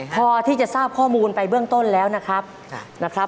พอที่จะทราบข้อมูลไปเบื้องต้นแล้วนะครับ